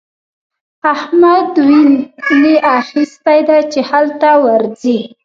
احمد ويني اخيستی دی چې هلته ورځي.